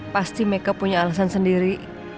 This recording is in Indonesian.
pasti mereka punya alasan sendiri